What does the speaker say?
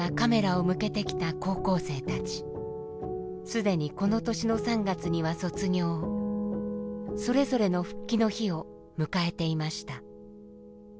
既にこの年の３月には卒業それぞれの復帰の日を迎えていました。